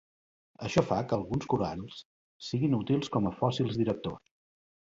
Això fa que alguns corals siguin útils com a fòssils directors.